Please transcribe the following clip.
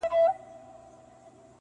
• دا خصلت دی د کم ذاتو ناکسانو,